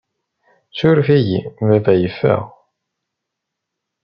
Ssuref-iyi, baba yeffeɣ.